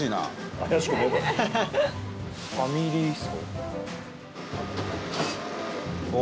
高岸：ファミリー層。